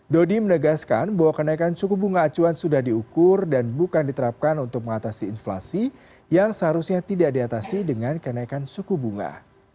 dodi menegaskan bahwa kenaikan suku bunga acuan sudah diukur dan bukan diterapkan untuk mengatasi inflasi yang seharusnya tidak diatasi dengan kenaikan suku bunga